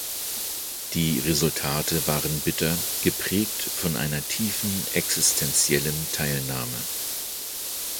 Die Resultate waren bitter, geprägt von einer tiefen existentiellen Teilnahme.